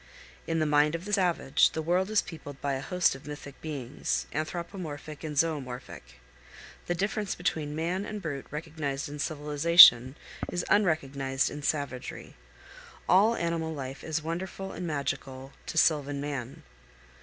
In the mind of the savage the world is peopled by a host of mythic beings, anthropomorphic and zoomorphic. The difference between man and brute recognized in civilization, is unrecognized in savagery. All animal life is wonderful and magical co sylvan man.